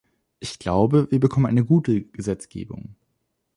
Ich glaube, wir bekommen eine gute Gesetzgebung.